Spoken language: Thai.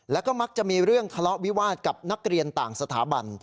แล้วก็มักจะมีเรื่องทะเลาะวิวาสกับนักเรียนต่างสถาบัน